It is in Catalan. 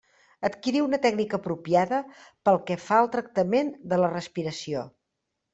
Adquirir una tècnica apropiada pel que fa al tractament de la respiració.